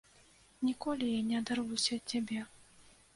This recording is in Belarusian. Ніколі я не адарвуся ад цябе!